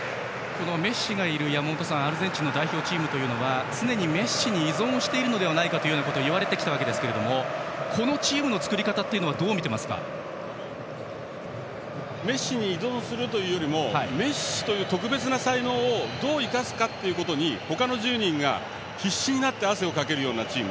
メッシがいるアルゼンチンの代表チームは常にメッシに依存しているのではないかということをいわれてきたわけですがこのチームの作り方はメッシに依存するというよりもメッシという特別な存在をどう生かすかということに他の１０人が必死になって汗をかけるチーム。